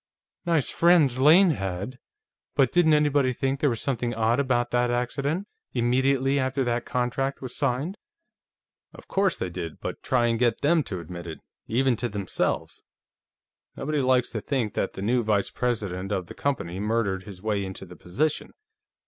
"Nice friends Lane had! But didn't anybody think there was something odd about that accident, immediately after that contract was signed?" "Of course they did, but try and get them to admit it, even to themselves. Nobody likes to think that the new vice president of the company murdered his way into the position.